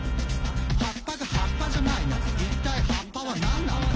「葉っぱが葉っぱじゃないなら一体葉っぱはなんなんだ？」